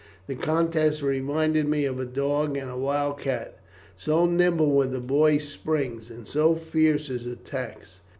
The contest reminded me of a dog and a wild cat, so nimble were the boy's springs, and so fierce his attacks.